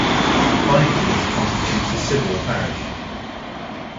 Byfleet constitutes a civil parish.